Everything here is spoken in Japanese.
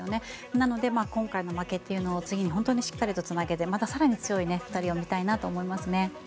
なので今回の負けというのを次に本当にしっかりつなげてまた更に強い２人を見たいなと思いますね。